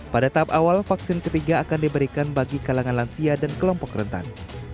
pada tahap awal vaksin ketiga akan diberikan bagi kalangan lansia dan kelompok rentan